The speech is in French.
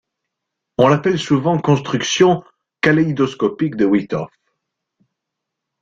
On l'appelle souvent construction kaléidoscopique de Wythoff.